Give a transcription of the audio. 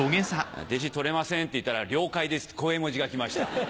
「弟子取れません」って言ったら「了解です」ってこういう絵文字がきました。